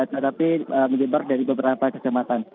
tetapi menyebar dari beberapa kecamatan